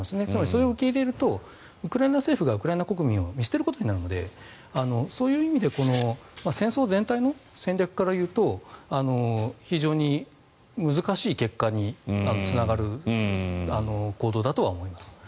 つまりそれを受け入れるとウクライナ政府がウクライナ国民を見捨てることになるのでそういう意味でこの戦争全体の戦略から言うと非常に難しい結果につながる行動だとは思います。